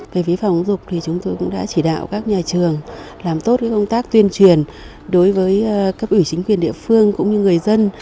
về phía phòng giáo dục thì chúng tôi cũng đã chỉ đạo các nhà trường làm tốt công tác tuyên truyền đối với cấp ủy chính quyền địa phương cũng như người dân